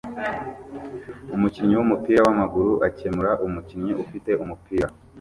Umukinnyi wumupira wamaguru akemura umukinnyi ufite umupira